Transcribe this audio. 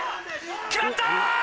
決まった！